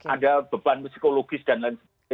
ada beban psikologis dan lain sebagainya